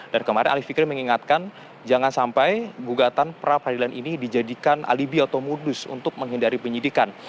dan kemarin alif fikri mengingatkan jangan sampai gugatan pra peradilan ini dijadikan alibi atau modus untuk menghindari penyidikan